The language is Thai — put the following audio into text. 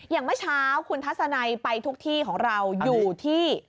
เมื่อเช้าคุณทัศนัยไปทุกที่ของเราอยู่ที่